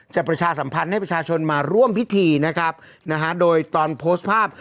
ประชาสัมพันธ์ให้ประชาชนมาร่วมพิธีนะครับนะฮะโดยตอนโพสต์ภาพ